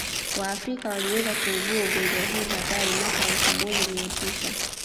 waafrika waliweza kuugua ugonjwa huu hatari mwaka elfu moja mia tisa